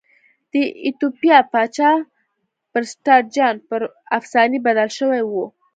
د ایتوپیا پاچا پرسټر جان پر افسانې بدل شوی و.